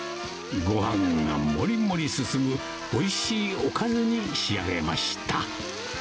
ごはんがもりもり進むおいしいおかずに仕上げました。